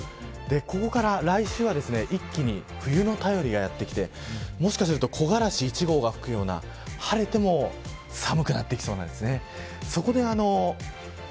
ここから来週は一気に冬の便りがやってきてもしかすると木枯らし１号が吹くような晴れても寒くなってきそうなんですね。